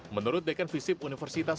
menurut dekan visip universitas